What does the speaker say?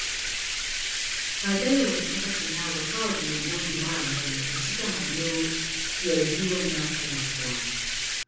Baadaye walipata silaha wakawa viongozi mara moja katika maeneo ya Ziwa Nyasa na pwani.